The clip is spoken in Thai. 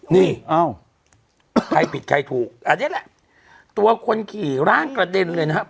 นี่เอ้าใครผิดใครถูกอันนี้แหละตัวคนขี่ร่างกระเด็นเลยนะครับ